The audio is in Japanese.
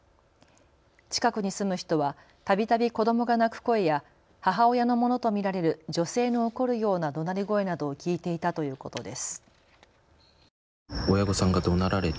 近くに住む人はたびたび子どもが泣く声や母親のものと見られる女性の怒るようなどなり声などを聞いていたということです。